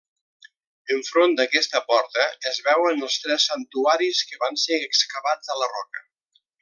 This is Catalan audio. Enfront d'aquesta porta es veuen els tres santuaris que van ser excavats a la roca.